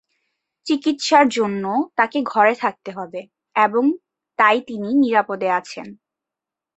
চিকিত্সার জন্য, তাকে ঘরে থাকতে হবে এবং তাই তিনি নিরাপদে আছেন।